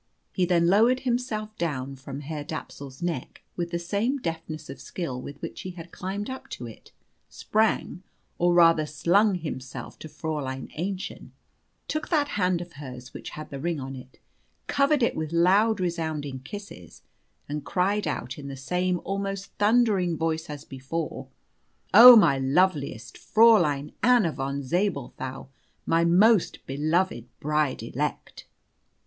He then lowered himself down from Herr Dapsul's neck with the same deftness of skill with which he had climbed up to it, sprang, or rather slung himself, to Fräulein Aennchen, took that hand of hers which had the ring on it, covered it with loud resounding kisses, and cried out in the same almost thundering voice as before, "Oh, my loveliest Fräulein Anna von Zabelthau, my most beloved bride elect!"